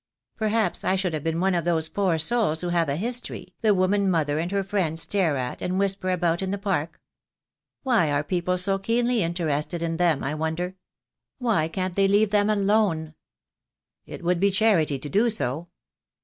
Per haps I should have been one of those poor souls who have a history, the women mother and her friends stare at and whisper about in the Park. Why are people so keenly interested in them, I wonder? Why can't they leave them alone?" "It would be charity to do so."